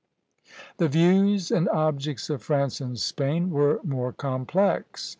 The views and objects of France and Spain were more complex.